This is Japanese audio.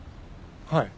はい。